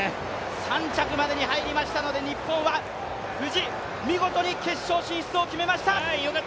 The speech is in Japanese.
３着までに入りましたので、日本は見事に決勝進出を決めました。